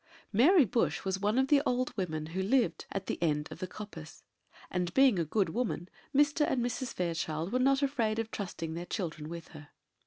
Mary Bush was one of the old women who lived at the end of the coppice; and, being a good woman, Mr. and Mrs. Fairchild were not afraid of trusting their children with her.